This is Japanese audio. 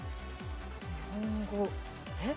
日本語えっ？